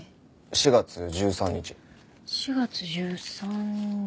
４月１３日。